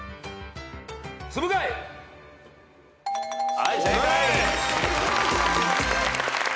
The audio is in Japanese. はい正解。